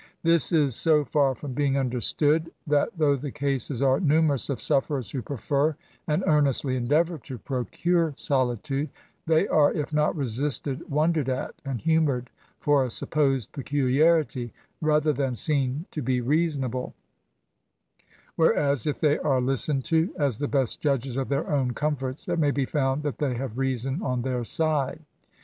This is so far from being understood, that, though the cases are numerous of sufferers who prefer, and earnestly endeavour to procure solitude, they are, if not resisted, wondered at, and humoured for a supposed peculiarity, rather than seen to be reasonable ; whereas, if they are listened to as the best judges of their own com forts, it may be found that they have reason on their side.